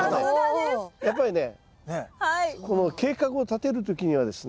やっぱりねこの計画をたてるときにはですね